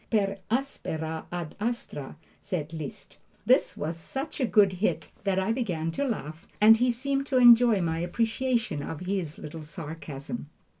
"Per aspera ad astra," said Liszt. This was such a good hit that I began to laugh, and he seemed to enjoy my appreciation of his little sarcasm.